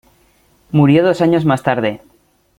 Murió dos años más tarde.